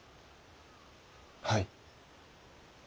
はい。